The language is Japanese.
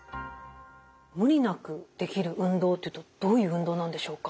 無理なくできる運動ってどういう運動なんでしょうか？